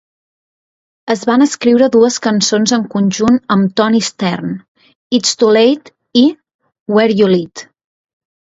Es van escriure dues cançons en conjunt amb Toni Stern: "It's Too Late" i "Where You Lead".